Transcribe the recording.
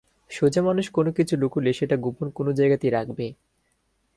সোজা মানুষ কোনোকিছু লুকোলে সেটা গোপন কোনো জায়গাতেই রাখবে।